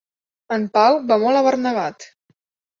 En Pau va molt abarnegat.